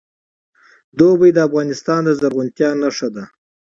اوړي د افغانستان د زرغونتیا نښه ده.